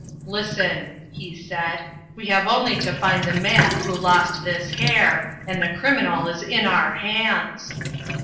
"Listen," he said, "we have only to find the man who lost this hair and the criminal is in our hands."